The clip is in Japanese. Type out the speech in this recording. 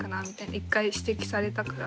１回指摘されたから。